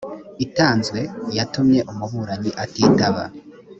itanzwe yatumye umuburanyi atitaba